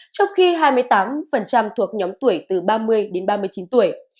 trong khi hai mươi tám thuộc nhóm tuổi từ ba mươi đến ba mươi chín tuổi